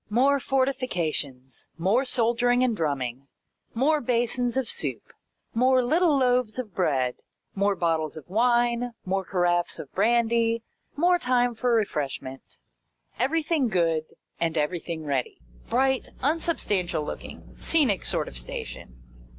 More fortifications, more soldiering and drumming, more basins of soup, more little loaves of bread, more bottles of wine, more caraffes of brandy, more time for refreshment. Everything good, and everything ready. Bright, unsubstantial looking, scenic sort of station.